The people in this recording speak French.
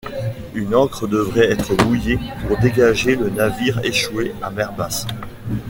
Une ancre devait être mouillée pour dégager le navire échoué à mer basse.